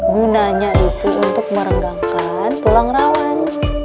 gunanya itu untuk merenggangkan tulang rawan